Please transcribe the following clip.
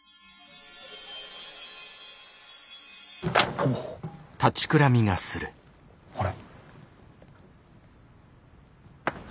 おお。あれ？